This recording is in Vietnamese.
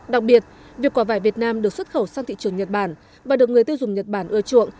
đặc biệt việc quả vải việt nam được xuất khẩu sang thị trường nhật bản và được người tiêu dùng nhật bản ưa chuộng